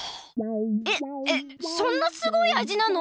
えっえっそんなすごいあじなの！？